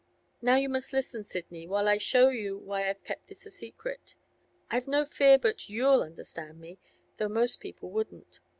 Now you must listen, Sidney, whilst I show you why I've kept this a secret. I've no fear but you'll understand me, though most people wouldn't.